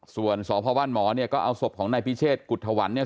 ส่วนสพมเนี่ยก็เอาศพของนายพิเชษฐ์กุธวรรณเนี่ย